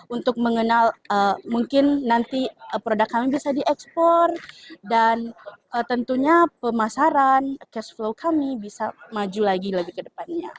untuk mengenal mungkin nanti produk kami bisa diekspor dan tentunya pemasaran cash flow kami bisa maju lagi ke depannya